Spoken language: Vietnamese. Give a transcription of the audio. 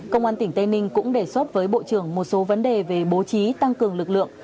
công an tỉnh tây ninh cũng đề xuất với bộ trưởng một số vấn đề về bố trí tăng cường lực lượng